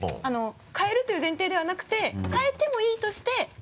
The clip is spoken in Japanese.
かえるという前提ではなくてかえてもいいとして。